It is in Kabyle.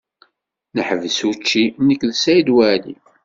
Neḥbes učči nekk d Saɛid Waɛli.